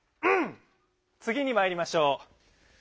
つぎにまいりましょう。